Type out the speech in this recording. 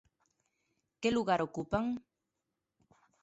Que lugar ocupan?